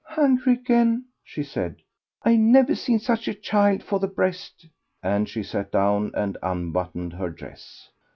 "Hungry again," she said. "I never seed such a child for the breast," and she sat down and unbuttoned her dress.